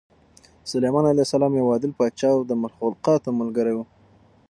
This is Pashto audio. سلیمان علیه السلام یو عادل پاچا او د مخلوقاتو ملګری و.